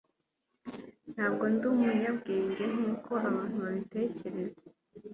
ntabwo ndi umunyabwenge nkuko abantu babitekereza